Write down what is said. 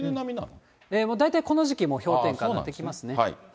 もう大体この時期、もう氷点下になってきますね。